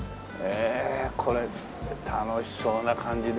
これ楽しそうな感じで。